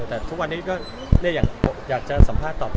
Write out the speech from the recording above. แต่ทุกวันนี้ก็อยากจะสัมภาษณ์ตอบ